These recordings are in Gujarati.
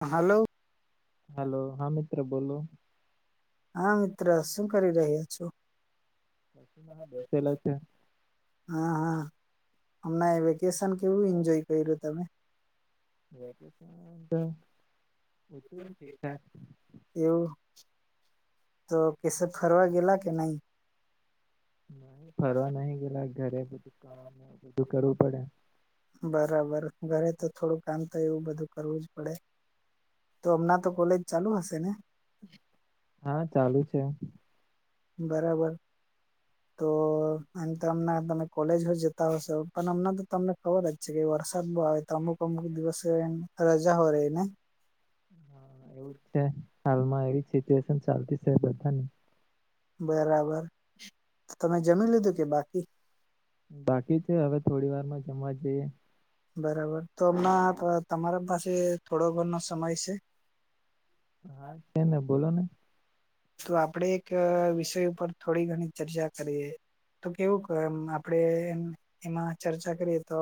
હાલો. હલો હા મિત્ર બોલો. હા મિત્ર શું કરી રહ્યા છો? બેસેલા છે. હા હા હમણાં વેકેશન કેવું ઈન્જોય કર્યું તમે? વેકેશન તો [inaudible] ઠીકઠાક એવું તો કેસેક ફરવા ગેલા કે નહી? ફરવા નહી ગેલા ઘરે બધું કામ બધું કરવું પડે. બરાબર ઘરે તો થોડું કામ તો એવું બધું કરવું પડે. તો હમનાં તો કોલેજ ચાલુ હશે ને? હા ચાલુ છે. બરાબર. તો આમ તો હમણા તમે કોલેજ હો જતા હશો પણ અમને તો તમને ખબર જ કે વરસાદ બહુ આવે તો અમુક અમુક દિવસે રજા ઓ રેય ને હા એવું જ છે હાલમાં એવી સિચ્યુએશન ચાલતી છે બધાની બરાબર તમે જમી લીધું કે બાકી? બાકી છે હવે થોડી વારમાં જમવા જઈએ. બરાબર તો હમણાં તમારા પાસે થોડો ઘનો સમય છે? હા છે ને બોલો ને તો આપણેે એક વિષય ઉપર થોડી ઘણી ચર્ચા કરીએ. તો કેવુંક એમ આપડે એમ એમાં ચર્ચા કરીએ તો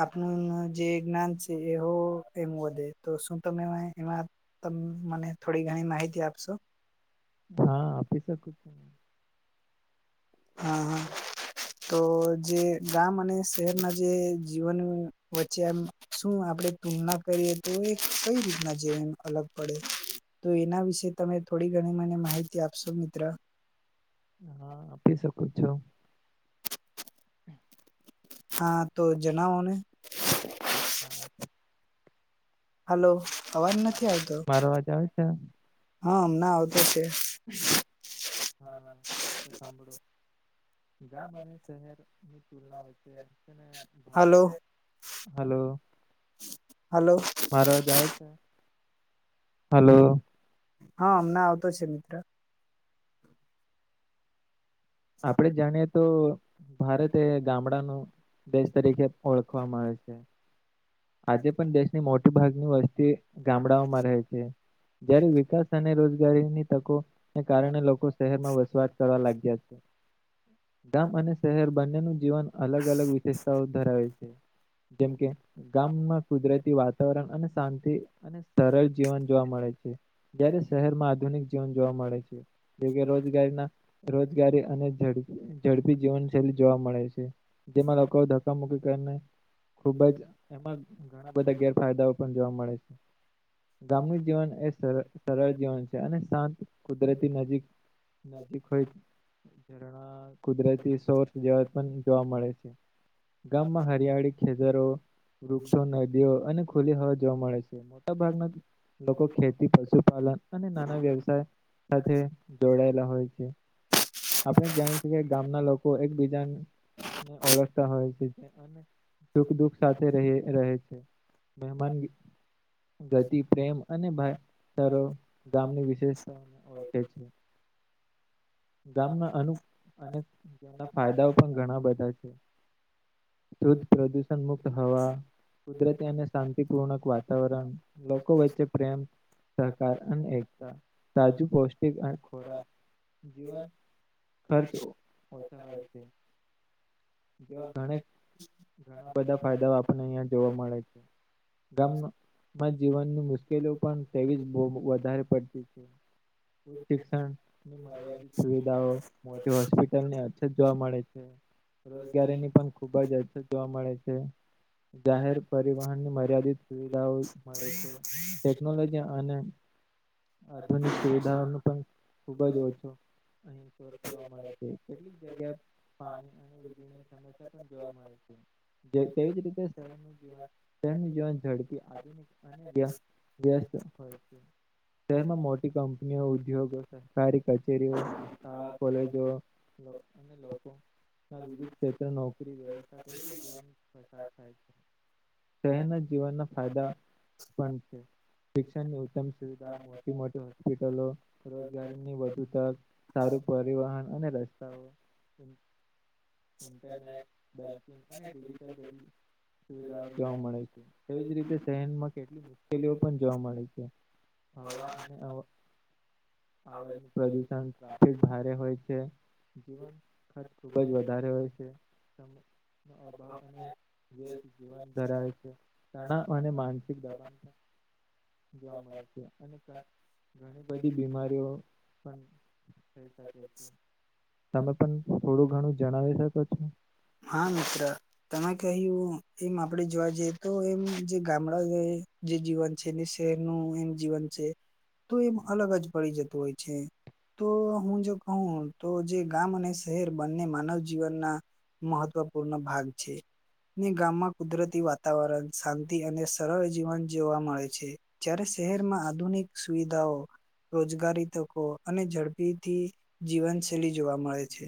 આપનું જે જ્ઞાન છે એ હો એમ વધે તો શું તમે એમાં તમ મને થોડી ઘણી માહિતી આપશો. હા આપી શકું છું. હા હા. તો જે ગામ અને શહેરના જે જીવન વચ્ચે આમ શું આપણે તુલના કરીએ તો એ કઈ રીતના જીવન અલગ પડે? તો એના વિશે તમે થોડી ઘણી મને માહિતી આપશો મિત્ર. હા આપી શકુ છું. હા તો જણાવોને. [inaudible] હલો અવાજ નથી હલો આવતો મારો અવાજ આવે છે હા હમણાં આવતો છે. હા તો સાંભળો. ગામ અને શહેરની તુલના વચ્ચે તેને હલો [unintelligible] હલો હલો મારો અવાજ આવે છે? હલો હાલો હા અમણાં આવતો છે મિત્ર. આપડે જાણીએ તો ભારત એ ગામડાનું દેશ તરીકે ઓળખવામાં આવે છે. આજે પણ દેશ ની મોટી ભાગની વસ્તી ગામડાઓમાં રહે છે. જયારે વિકાસ અને રોજગારીની તકોને કારણે લોકો શહેરમાં વસવાટ કરવા લાગ્યા છે. ગામ અને શહેર બંનેનું જીવન અલગ અલગ વિશેષતાઓ ધરાવે છે. જેમ કે ગામમાં કુદરતી વાતાવરણ અને શાંતિ ને સરળ જીવન જોવા મળે છે. જયારે શહેરમાં આધુનિક જીવન જોવા મળે છે. જો કે રોજગારીના રોજગારી અને ઝડપી ઝડપી જીવનશૈલી જોવા મળે છે જેમાં લોકો કા મૂકી કરીને ખુબ જ એમાં ઘણા બધા ગેરફાયદાઓ પણ જોવા મળે છે. ગામનું જીવન એ સરળ સરળ જીવન છે અને શાંત કુદરતી નજીક નજીક હોય કુદરતી સોર જેવા પણ જોવા મળે છે. ગામમાં હરિયાળી ખેતરો, વૃક્ષો, નદીઓ અને ખુલ્લી હવા જોવા મળે છે. મોટા ભાગમાં લોકો ખેતી, પશુપાલન અને નાના વ્યવસાય સાથે જોડાયેલા હોય છે. આપણે જાણીએ છે કે, ગામના લોકો એકબીજાને ઓળખતા હોય છે. સુખ દુઃખ સાથે રહે, રહે છે. મહેમાન ગતિ પ્રેમ અને ભાઈ ચારો ગામની વિશેષતાઓને ઓળખે છે. ગામના અનુ અનેના ફાયદાઓ પણ ઘણા બધા છે. શુદ્ધ પ્રદૂષણ મુક્ત હવા કુદરતી શાંતિપૂર્ણક વાતાવરણ લોકો વચ્ચે પ્રેમ સહકાર અને એકતા સાચું પૌષ્ટિક ખોરાક જીવન ખર્ચ ઓછા હોય છે. જેવા તો ઘણે બધા ફાયદાઓ આપણને અહિયાં જોવા મળે છે. ગામમાં જીવનની મુશ્કેલી પણ તેવી જ વધારે પડતી છે. શિક્ષણ સુવિધાઓ મોટી હોસ્પિટલને અછત જોવા મળે છે. રોજગારી પણ ખુબ જ અછત જોવા મળે છે. જાહેર પરિવહનની મર્યાદિત સુવિધાઓ મળે છે. ટેકનોલોજી અને આધુનિક સુવિધાઓનું પણ ખુબ જ ઓછો અહીં જોવા મળે છે. કેટલીક જગ્યાએ પાણી અને વીજળીની સમસ્યા પણ જોવા મળે છે. તેવીજ રીતે જીવન ઝડપી [unintelligible] શહેરમાં મોટી કંપનીઓ, ઉદ્યોગો, સરકારી કચેરીઓ શાળા, કોલેજો અને લોકોના વિવિધ ક્ષેત્રનો શહેરના જીવનના ફાયદા [unintelligible] શિક્ષણની ઉત્તમ સુવિધા મોટી મોટી હોસ્પિટલો, રોજગારીની વધુ તક સારું પરિવહન અને રસ્તાઓ ઇન્ટરનેટ, બેંકિંગ અને ડિજિટલ સુવિધાઓ જોવા મળે છે. એવીજ રીતે શહેરમાં કેટલી મુશ્કેલીઓ પણ જોવા મળે છે. હવા અને અવાજનું પ્રદુષણ ટ્રાફિક ભારે હોય છે. [unintelligible] ખુબ જ વધારે હોય છે. [inaudible] વ્યસ્ત જીવન ધરાય તણાવ અને માનસિક જોવા મળે છે અને ઘણી બધી બીમારીઓ તમે પણ થોડું ઘણું જણાવી શકો છો? હા, મિત્ર. તમે કહ્યું એમ આપડે જોવા જઈએ તો, એમ જે ગામડા ગ જે જીવન છે એને શહેરનું એમ જીવન છે તો એમ અલગ જ પડી જતું હોય છે. તો હું જો કહું, તો જે ગામ અને શહેર બંને માનવ જીવનના મહત્વપૂર્ણ ભાગ છે. ને ગામમાં કુદરતી વાતાવરણ શાંતિ અને સરળ જીવન જીવવા મળે છે. જ્યારે શહેરમાં આધુનિક સુવિધાઓ રોજગારી તકો અને ઝડપીથી જીવનશૈલી જોવા મળે છે.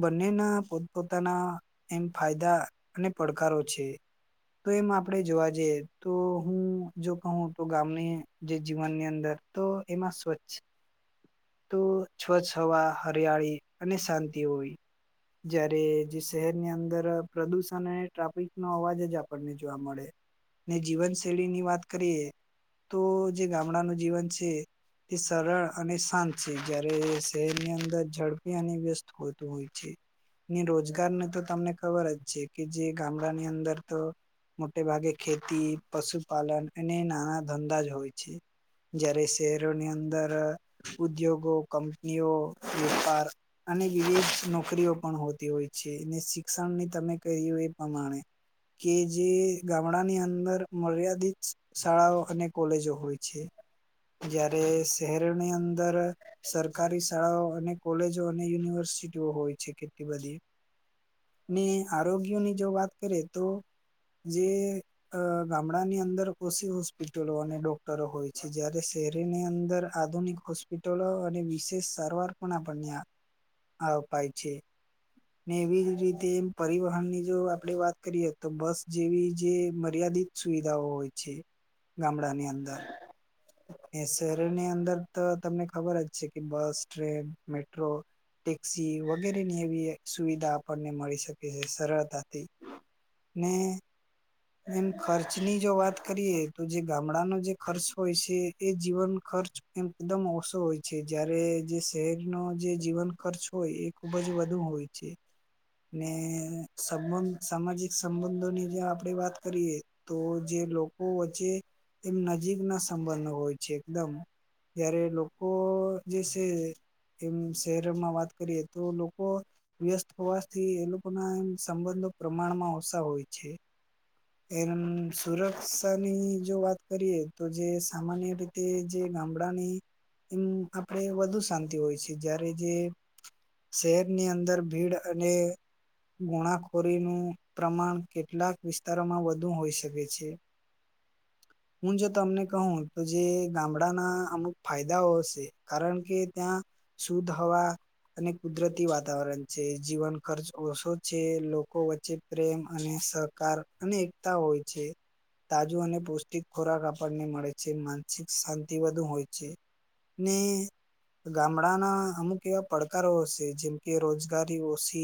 બંનેના પોતપોતાના એમ ફાયદા અને પડકારો છે. તો એમ આપણે જોવા જઈએ તો, હું જો કહું તો ગામને જે જીવનની અંદર તો એમાં સ્વચ્છ તો સ્વચ્છ હવા હરિયાળી અને શાંતિ હોવી. જયારે જે શહેરની અંદર પ્રદુષણ અને ટ્રાફિક નો અવાજ જ આપણને જોવા મળે. ને જીવનશૈલી ની વાત કરીએ તો જે ગામડાનું જીવન છે એ સરળ અને શાંત છે. જયારે શહેરની અંદર ઝડપી અને વ્યસ્ત હોતુ હોય છે. ની રોજગાર ને તો તમને ખબર જ છે કે જે ગામડાની અંદર તો મોટે ભાગે ખેતી, પશુપાલન અને નાના ધંધા જ હોય છે. જયારે શહેરોની અંદર ઉદ્યોગો, કંપનીઓ, વેપાર અને વિવિધ નોકરીઓ પણ હોતી હોય છે ને શિક્ષણ ની તમે કહ્યું એ પ્રમાણે કે જે ગામડાની અંદર મર્યાદિત શાળાઓ અને કોલેજો હોય છે. જયારે શહેરોની અંદર સરકારી શાળાઓ અને કોલેજો ને યુનિવર્સિટીઓ હોય છે કેટલી બધી. ને આરોગ્યની જો વાત કરીએ તો જે અ ગામડાની અંદર ઓછી હોસ્પિટલો અને ડોક્ટરો હોય છે. જયારે શહેરીની અંદર આધુનિક હોસ્પિટલો અને વિશેષ સારવાર આપણને આ આવપાય છે. ને એવી જ રીતે એમ પરિવહન ની જો આપડે વાત કરીએ તો બસ જેવી જે મર્યાદિત સુવિધાઓ હોય છે ગામડા ની અંદર. અને શહેરની અંદર તો તમને ખબર જ છે કે બસ, ટ્રેન, મેટ્રો ટેક્સી વગેરે એવી સુવિધા મળી શકે છે સરળતાથી. ને એમ ખર્ચની જો વાત કરીએ તો જે ગામડાનો જે ખર્ચ હોય છે એ જીવન ખર્ચ એકદમ ઓછો હોય છે જયારે જે શહેરનો જે જીવનખર્ચ હોય એ ખુબ જ વધુ હોય છે. ને સંબંધ સામાજિક સંબંધોની જે આપડે વાત કરીએ તો જે લોકો વચ્ચે એમ નજીક ના સંબંધ હોય છે એકદમ. જ્યારે લોકો જે છે એમ શહેર રમા વાત કરીએ તો લોકો વ્યસ્ત હોવાથી એ લોકો ના સંબંધો પ્રમાણમાં ઓછા હોય છે. એમ સુરક્ષાની જો વાત કરીએ તો જે સામાન્ય રીત તે જે ગામડાની એમ આપણેે વધુ શાંતિ હોય છે જ્યારે જે શહેરની અંદર ભીડ અને ગુનાખોરીનું પ્રમાણ કેટલાક વિસ્ત તારોમાં વધુ હોઈ શકે છે. હું જો તમને કહું તો જે ગામડાના અમુક ફાયદાઓ હશે કારણ કે ત્યાં શુદ્ધ હવા, અને કુદરતી વાતાવરણ છે, જીવન ખર્ચ ઓછો છે, લોકો વચ્ચે પ્રેમ અને સહકાર એકતા હોય છે. તાજો અને પૌષ્ટિક ખોરાક આપણને મળે છે, માનસિક શાંતિ વધુ હોય છે. ને ગામડાના અમુક એવા પડકારો અસે જેમ કે રોજગારી ઓ છે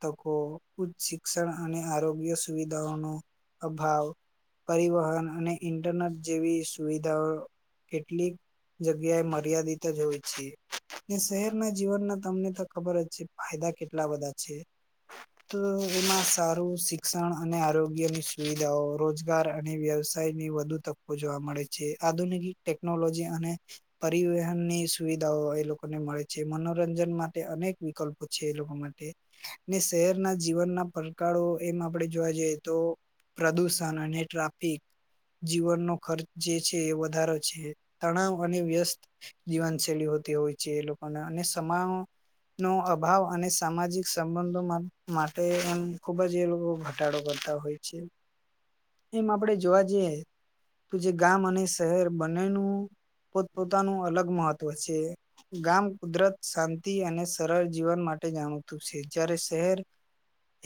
તકો, ઉચ્ચ શિક્ષણ અને આરોગ્ય સુવિધાઓનો અભાવ પરિવહન અને ઇન્ટરનેટ જેવી સુવિધાઓ કેટલીક જગ્યાએ મર્યાદિત જ હોય છે. અને શહેરના જીવનના તમને તો ખબર જ છે ફાયદા કેટલા બધા છે તો એમાં સારું શીક્ષ ક્ષણ અને આરોગ્યની સુવિધાઓ રોજગાર અને વ્યવસાયની વધુ તક કો જોવા મળે છે, આધુનિક ટેકનોલોજી અને પરિવહન ની સુવિધાઓ એ લોકોને મળે છે મનોરંજન માટે અનેક વિકલ્પો છે એ લોકો માટે ને શહેરના જીવનના પડકારો એમાં આપડે જોવા જઈએ તો પ્રદુષણ અને ટ્રાફિક જીવનનો ખર્ચ જે છે, એ વધારો છે, તણાવ અને વ્યસ્ત જીવનશૈલી હોતી હોય છે એ લોકોને અને સમા નો અભાવ અને સામાજિક સંબંધો મા માટે એમ ખૂબ બજ એ લોકો ઘટાડો કરતા હોય છે, એમ આપણે જોવા જઈએ તો જે ગામ અને શહેર બંનેનું પોતપોતાનું અલગ મહત્વ છે. ગામ કુદરત શાંતિ અને સરળ જીવન માટે જાણતું છે, જ્યારે શહેર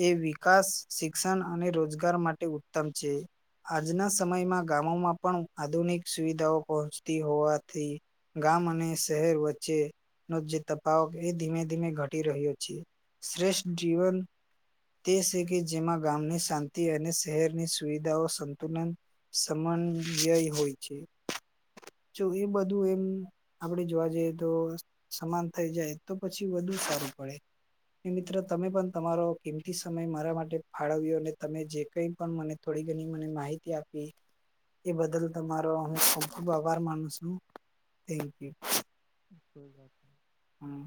એ વિકાસ શિક્ષણ અને રોજગાર માટે ઉત્તમ છે. આજના સમયમાં ગામોમાં પણ આધુનિક સુવિધાઓ પહોંચતી હોવાથી ગામ અને શહેર વચ્ચે નો જે તપાવ એ ધીમે ધીમે ઘટી રહ્યો છે. શ્રેષ્ઠ જીવન તે છે કે જેમાં ગામની શાંતિ અને શહેરની સુવિધાઓ સંતુલન સમમાન્વય હોય છે તો એ બધું એમ આપડે જોવા જઈએ તો સમાન થઈ જાય તો પછી વધુ સારું પડે અને મિત્રો તમે પણ તમારો કેમ ઈ સમય મારા માટે ફાળવ્યો અને તમે જે કઈ પણ મને થોડી ઘણી મને માહિતી આપી એ બદલ તમારો હું ખુબ ખુબ આભાર માનું છું થેન્કયુ [unintelligible] હમ્મ